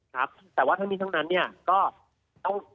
ครับแต่ว่าเท่านี้เท่านั้นก็ต้อง